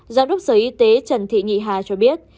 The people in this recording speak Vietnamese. giám đốc sở y tế trần thị nhị hà cho biết